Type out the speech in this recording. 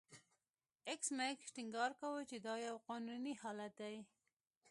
ایس میکس ټینګار کاوه چې دا یو قانوني حالت دی